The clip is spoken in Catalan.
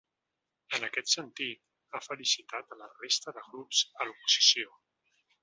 En aquest sentit, ha felicitat a la resta de grups a l’oposició.